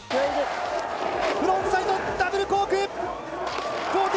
フロントサイドダブルコーク１４４０！